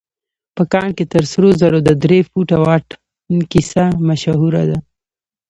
په کان کې تر سرو زرو د درې فوټه واټن کيسه مشهوره ده.